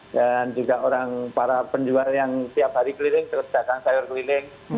dan juga orang para penjual yang tiap hari keliling terus datang sayur keliling